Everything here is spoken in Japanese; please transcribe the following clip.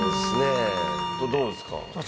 どうですか？